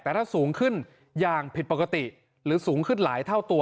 แต่ถ้าสูงขึ้นอย่างผิดปกติหรือสูงขึ้นหลายเท่าตัว